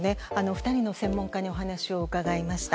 ２人の専門家に話を伺いました。